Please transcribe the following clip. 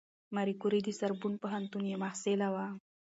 ماري کوري د سوربون پوهنتون محصله وه.